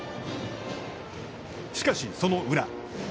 しかし、その裏。